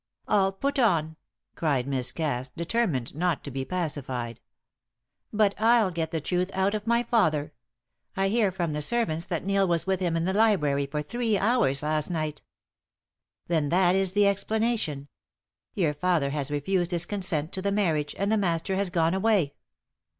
"All put on!" cried Miss Cass, determined not to be pacified. "But I'll get the truth out of my father. I hear from the servants that Neil was with him in the library for three hours last night." "Then that is the explanation. Your father has refused his consent to the marriage, and the Master has gone away."